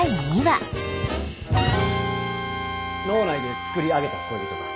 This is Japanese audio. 脳内でつくり上げた恋人か。